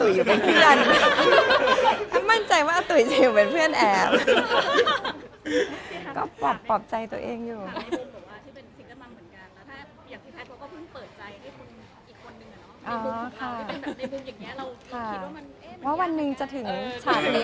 ช่องนี้ก็จะดูถึงแบบทำงานกับคนอินเลอฟอะไรอย่างงี้